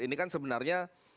ini kan sebenarnya